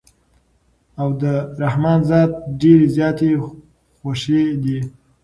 او د رحمن ذات ډېرې زياتي خوښې دي